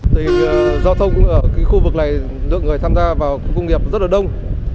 thì giao thông ở khu vực này lượng người tham gia vào công nghiệp rất là đông